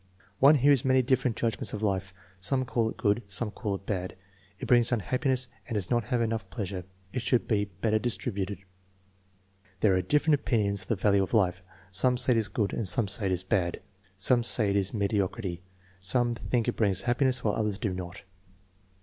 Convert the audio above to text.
"One hears many different judgments of life. Some call it good, some call it bad. It brings unhappiness and it does not have enough pleasure. It should be better distributed." "There are different opinions of the value of life. Some say it is good and some say it is bad. Some say it is mediocrity. Some think it brings happiness while others do not."